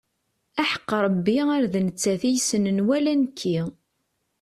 Aḥeqq Rebbi ar d nettat i yessnen wala nekki.